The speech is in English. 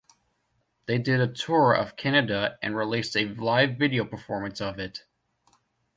They did a tour of Canada and released a live video performance of it.